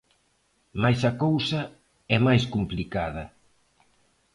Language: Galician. Mais a cousa é máis complicada.